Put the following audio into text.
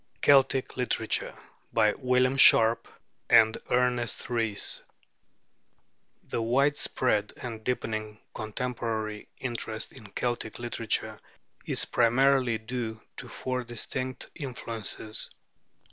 CELTIC LITERATURE BY WILLIAM SHARP AND ERNEST RHYS The widespread and deepening contemporary interest in Celtic literature is primarily due to four distinct influences.